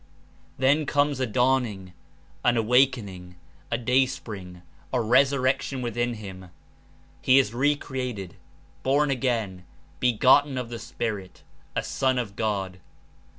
Then comes a dawning, an awakening, a day spring, a resurrection within him. He Is re created, born again, begotten of the Spirit, a son of God.